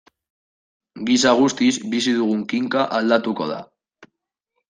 Gisa guztiz, bizi dugun kinka aldatuko da.